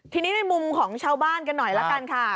ทีนี้ในมุมของชาวบ้านกันหน่อยละกันค่ะ